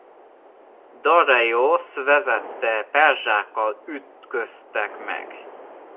Dareiosz vezette perzsákkal ütköztek meg.